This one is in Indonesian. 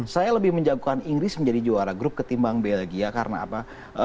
saya lebih menjagokan inggris menjadi juara grup ketimbang belgia karena apa